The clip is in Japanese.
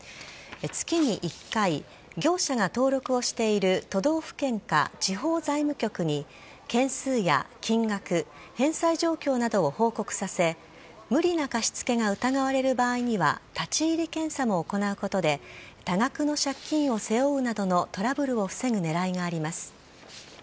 月に１回、業者が登録をしている都道府県か地方財務局に件数や金額返済状況などを報告させ無理な貸し付けが疑われる場合には立ち入り検査も行うことで多額の借金を背負うなどのトラブルを防ぐ狙いがあります。